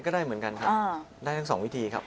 ได้เหมือนกันครับได้ทั้งสองวิธีครับ